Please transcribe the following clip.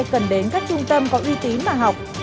cần đến các trung tâm có uy tín mà học